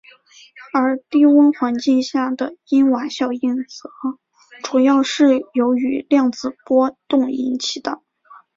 而低温环境下的因瓦效应则主要是由于量子波动引起的。